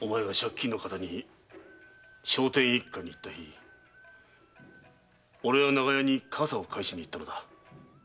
お前が借金のカタに聖天一家にいった日俺は長屋に傘を返しに行ったのだ。